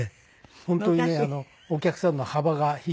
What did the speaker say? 本当にねお客さんの幅が非常に広い。